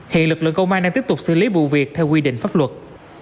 hiện lực lượng công an đang tiếp tục xử lý vụ việc theo quy định pháp luật